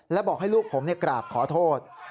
และบอกให้ลูกผมกราบขอโทษ